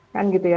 kan gitu ya